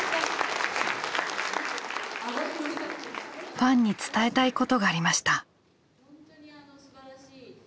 ファンに伝えたいことがありました。